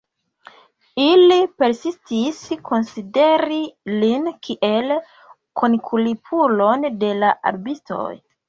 Ili persistis konsideri lin kiel kunkulpulon de la rabistoj.